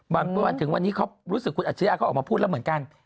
วันถึงวันนี้เขารู้สึกคุณอัจฉริยะเขาออกมาพูดแล้วเหมือนกัน